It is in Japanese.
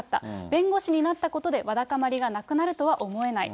弁護士になったことでわだかまりがなくなるとは思えない。